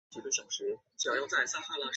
你还是没有告诉我